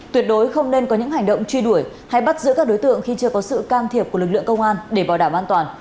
tuyệt đối không nên có những hành động truy đuổi hay bắt giữ các đối tượng khi chưa có sự can thiệp của lực lượng công an để bảo đảm an toàn